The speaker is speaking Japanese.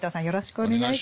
お願いします。